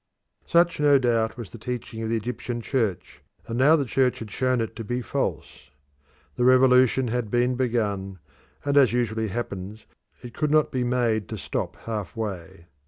Such, no doubt, was the teaching of the Egyptian Church, and now the Church had shown it to be false. The revolution had been begun, and, as usually happens, it could not be made to stop half way.